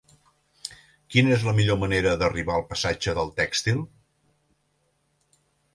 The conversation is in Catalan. Quina és la millor manera d'arribar al passatge del Tèxtil?